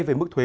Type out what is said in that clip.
về mức thuế